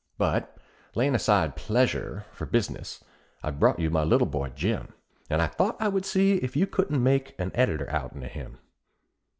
But, layin' aside pleasure for business, I've brought you my little boy Jim; And I thought I would see if you couldn't make an editor outen of him.